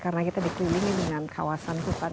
karena kita dikelilingi dengan kawasan hutan